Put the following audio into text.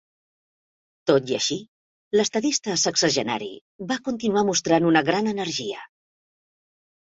Tot i així, l'estadista sexagenari va continuar mostrant una gran energia.